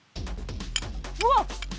うわっ！